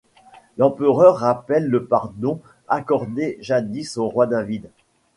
L'empereur rappelle le pardon accordé jadis au roi David.